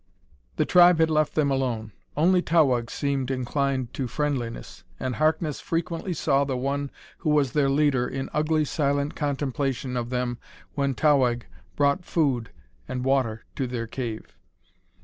The tribe had left them alone. Only Towahg seemed inclined to friendliness; and Harkness frequently saw the one who was their leader in ugly, silent contemplation of them when Towahg brought food and water to their cave.